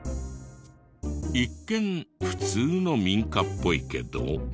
一見普通の民家っぽいけど。